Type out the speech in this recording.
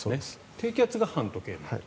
低気圧が反時計回り。